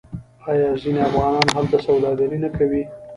آیا ځینې افغانان هلته سوداګري نه کوي؟